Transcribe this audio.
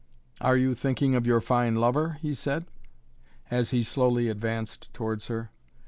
"Are you thinking of your fine lover?" he said as he slowly advanced towards her.